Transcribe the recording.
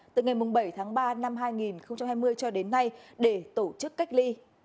từ ngày bảy tháng ba năm hai nghìn hai mươi cho đến nay để tổ chức cách ly